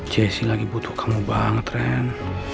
jessie lagi butuh kamu banget ren